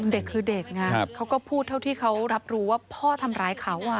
เด็กคือเด็กไงเขาก็พูดเท่าที่เขารับรู้ว่าพ่อทำร้ายเขา